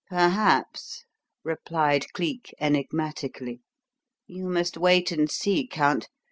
"Perhaps," replied Cleek enigmatically. "You must wait and see, Count.